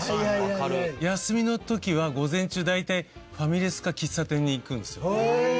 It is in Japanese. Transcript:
休みの時は午前中大体ファミレスか喫茶店に行くんですよ。